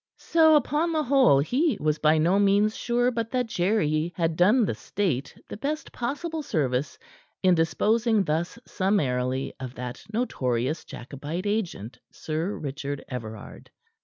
So, upon the whole, he was by no means sure but that Jerry had done the state the best possible service in disposing thus summarily of that notorious Jacobite agent, Sir Richard Everard.